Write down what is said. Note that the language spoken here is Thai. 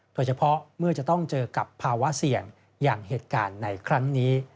โดยเฉพาะเมื่อจะต้องเจอกับภาวะเสี่ยงอย่างเหตุการณ์ในครั้งนี้